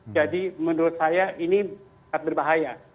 jadi menurut saya ini sangat berbahaya